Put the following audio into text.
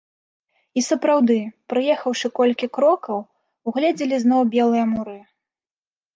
І сапраўды, праехаўшы колькі крокаў, угледзелі зноў белыя муры.